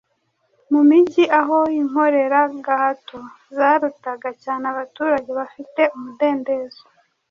Mu mijyi, aho inkoreragahato zarutaga cyane abaturage bafite umudendezo,